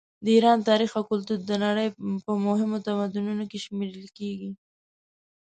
د ایران تاریخ او کلتور د نړۍ په مهمو تمدنونو کې شمېرل کیږي.